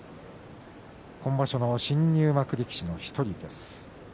今場所の新入幕力士の１人です。